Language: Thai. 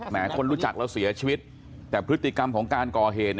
คนรู้จักแล้วเสียชีวิตแต่พฤติกรรมของการก่อเหตุ